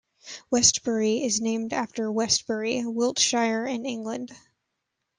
Westbury is named after Westbury, Wiltshire in England.